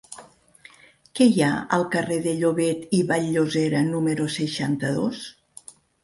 Què hi ha al carrer de Llobet i Vall-llosera número seixanta-dos?